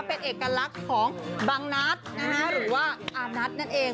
เป็นเอกลักษณ์ของบางนัดหรือว่าอานัทนั่นเอง